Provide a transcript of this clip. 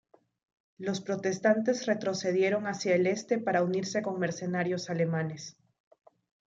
Los protestantes retrocedieron hacia el este para unirse con mercenarios alemanes.